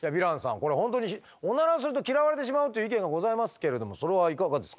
これ本当にオナラすると嫌われてしまうという意見がございますけれどもそれはいかがですか？